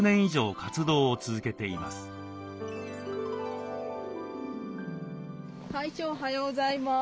会長おはようございます。